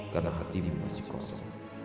karena hatimu masih kosong